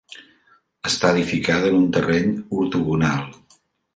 Està edificada en un terreny ortogonal.